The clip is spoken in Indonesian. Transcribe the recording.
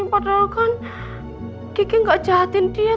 padahal kan kiki gak jahatin dia